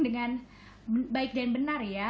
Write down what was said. dengan baik dan benar ya